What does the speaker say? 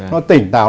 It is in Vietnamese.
nó tỉnh táo